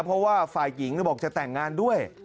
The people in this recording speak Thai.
เพราะว่าฝ่ายหญิงบอกจะแต่งงานด้วย